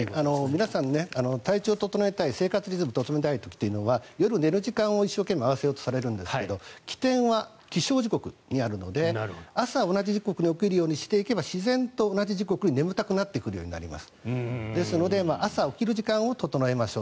皆さん、体調を整えたい生活リズムをと整えたい時は夜寝る時間を一生懸命合わせようとされますが起点は起床時刻にあるので朝、同じ時刻に起きるようにしていけば自然と同じ時刻に眠たくなるようになっていきます。